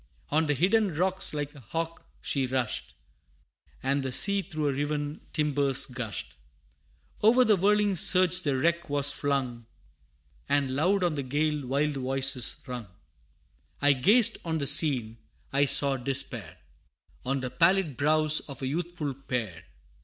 On the hidden rocks like a hawk she rushed, And the sea through her riven timbers gushed: O'er the whirling surge the wreck was flung, And loud on the gale wild voices rung. I gazed on the scene I saw despair On the pallid brows of a youthful pair.